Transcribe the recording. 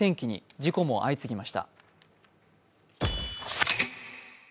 事故も相次ぎました。